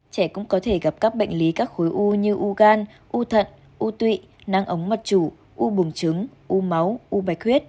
trẻ cũng có thể gặp các bệnh lý các khối u như u gan u thận u tụy nắng ấm mặt chủ u bùng trứng u máu u bạch huyết